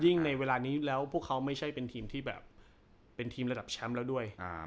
ในเวลานี้แล้วพวกเขาไม่ใช่เป็นทีมที่แบบเป็นทีมระดับแชมป์แล้วด้วย